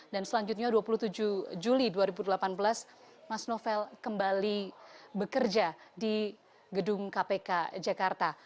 dan selanjutnya dua puluh tujuh juli dua ribu delapan belas mas novel kembali bekerja di gedung kpk jakarta